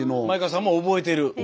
前川さんも覚えている？